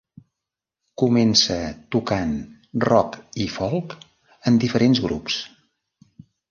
Comença tocant rock i folk en diferents grups.